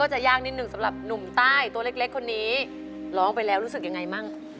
จากธนาคารกรุงเทพฯ